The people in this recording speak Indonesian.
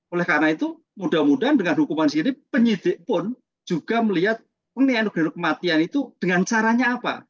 oleh karena itu mudah mudahan dengan hukuman sendiri penyidik pun juga melihat penganugerah kematian itu dengan caranya apa